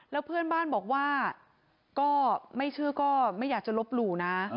แล้วเพื่อนบ้านบอกว่าก็ไม่เชื่อก็ไม่อยากจะลบหลู่นะ